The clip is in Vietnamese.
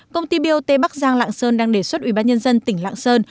công ty bot bắc giang lạng sơn đang đề xuất ubnd tỉnh lạng sơn